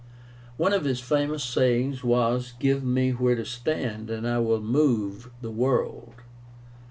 One of his famous sayings was, "Give me where to stand, and I will move the world."